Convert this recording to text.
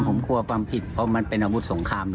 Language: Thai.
ผมกลัวความผิดเพราะมันเป็นอาวุธสงคราม